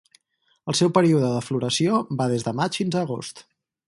El seu període de floració va des de maig fins a agost.